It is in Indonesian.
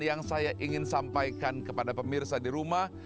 yang saya ingin sampaikan kepada pemirsa di rumah